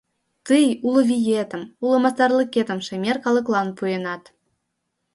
Тый уло виетым, уло мастарлыкетым шемер калыклан пуэнат.